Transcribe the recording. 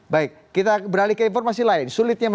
baik kita beralih ke informasi lain